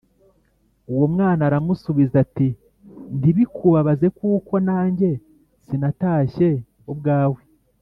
uwo mwana aramusubiza ati:"ntibikubabaze kuko nanjye sinatashye ubwawe!"